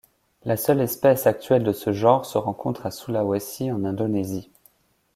La seule espèce actuelle de ce genre se rencontrent à Sulawesi en Indonésie.